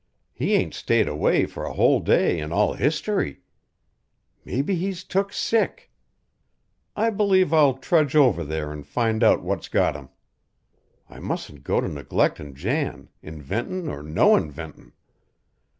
He ain't stayed away for a whole day in all history. Mebbe he's took sick. I believe I'll trudge over there an' find out what's got him. I mustn't go to neglectin' Jan, inventin' or no inventin'."